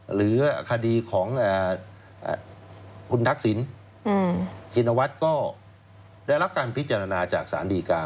หรือคดีของคุณทักษิณชินวัฒน์ก็ได้รับการพิจารณาจากสารดีกา